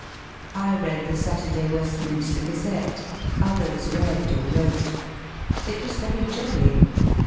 I read the Saturday IVe^mmSler Gazette^ others read or wrote. It was very jolly.